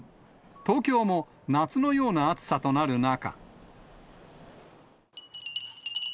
東京も夏のような暑さとなる中。